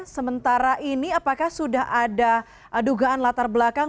sementara ini apakah sudah ada dugaan latar belakang